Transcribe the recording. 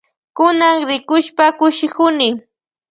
Kunan rikushpa kushikuni.